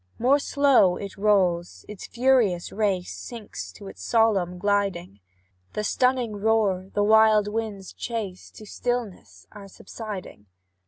More slow it rolls; its furious race Sinks to its solemn gliding; The stunning roar, the wind's wild chase, To stillness are subsiding.